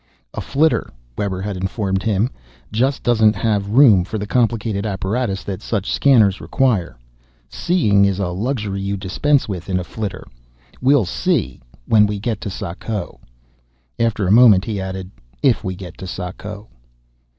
"A flitter," Webber had informed him, "just doesn't have room for the complicated apparatus that such scanners require. Seeing is a luxury you dispense with in a flitter. We'll see when we get to Sako." After a moment he had added, "If we get to Sako."